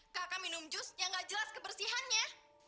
kakak minum jus yang gak jelas kebersihannya